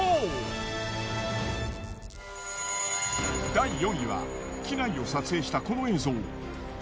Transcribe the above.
第４位は機内を撮影したこの映像。